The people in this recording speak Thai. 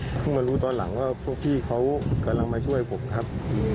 เพราะมันรู้ตรงหลังพ่อพี่เค้ากำลังมาช่วยผมครับ